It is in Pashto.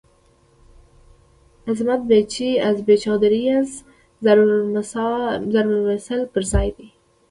"عصمت بی چه از بی چادریست" ضرب المثل پر ځای دی.